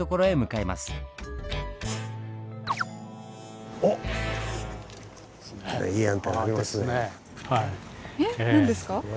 えっ何ですか？